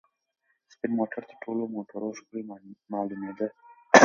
سپین موټر تر ټولو موټرو ښکلی معلومېده.